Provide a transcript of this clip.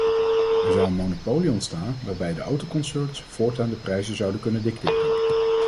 Er zou een monopolie ontstaan, waarbij de autoconcerns voortaan de prijzen zouden kunnen dicteren.